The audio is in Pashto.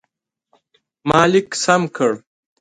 ما لیک سم کړ.